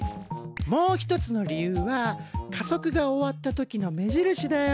もう一つの理由は加速が終わった時の目印だよ。